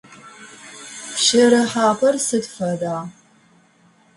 Пщэрыхьапӏэр сыд фэда?